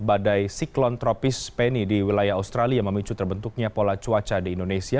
badai siklon tropis penny di wilayah australia memicu terbentuknya pola cuaca di indonesia